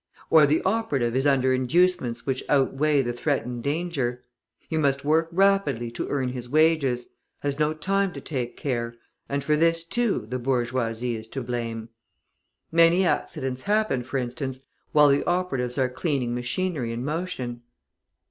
Or the operative is under inducements which outweigh the threatened danger; he must work rapidly to earn his wages, has no time to take care, and for this, too, the bourgeoisie is to blame. Many accidents happen, for instance, while the operatives are cleaning machinery in motion.